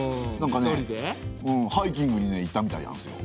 うんハイキングにね行ったみたいなんですよ。